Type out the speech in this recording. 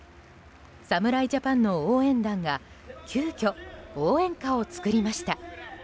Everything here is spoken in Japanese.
侍ジャパンの応援団が急きょ応援歌を作りました。